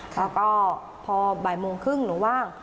แล้วก็พอบ่ายโมงครึ่งหนูว่าง